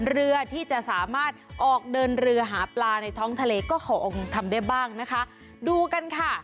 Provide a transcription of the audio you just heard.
เรือที่จะสามารถออกเดินเรือหาปลาในท้องทะเลก็ขอองค์ทำได้บ้างนะคะดูกันค่ะ